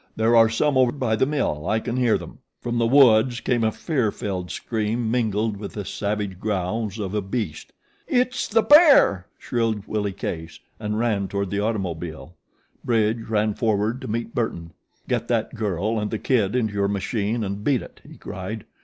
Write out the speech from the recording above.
There are some over by the mill. I can hear them." From the woods came a fear filled scream mingled with the savage growls of a beast. "It's the bear," shrilled Willie Case, and ran toward the automobile. Bridge ran forward to meet Burton. "Get that girl and the kid into your machine and beat it!" he cried.